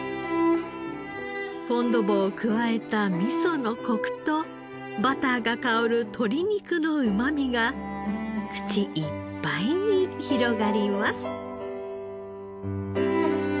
フォンドボーを加えた味噌のコクとバターが香る鶏肉のうまみが口いっぱいに広がります。